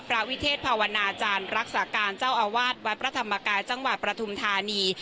วิเทศภาวนาจารย์รักษาการเจ้าอาวาสวัดพระธรรมกายจังหวัดประทุมธานี